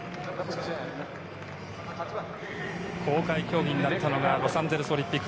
公開競技になったのがロサンゼルスオリンピック。